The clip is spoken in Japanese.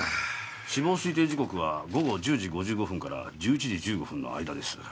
死亡推定時刻は午後１０時５５分から１１時１５分の間です。